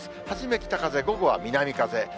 初め北風、午後は南風。